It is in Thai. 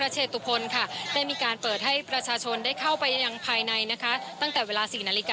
เชิญค่ะ